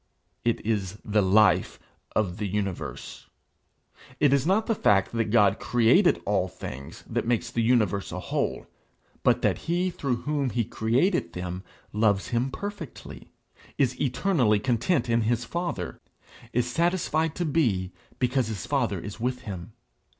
It is the life of the universe. It is not the fact that God created all things, that makes the universe a whole; but that he through whom he created them loves him perfectly, is eternally content in his father, is satisfied to be because his father is with him.